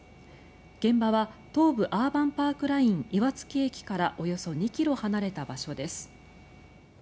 現場は東武アーバンパークライン岩槻駅からおよそ２ｋｍ離れた場所です。